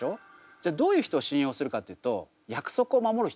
じゃあどういう人を信用するかというと約束を守る人なんです。